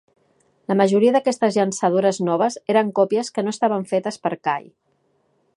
La majoria d'aquestes llançadores noves eren còpies que no estaven fetes per Kay.